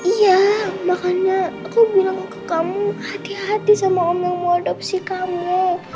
iya makanya aku bilang ke kamu hati hati sama om yang mau adopsi kamu